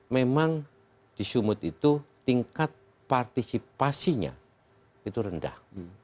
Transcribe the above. memang di sumut itu tingkat partisipasinya itu rendah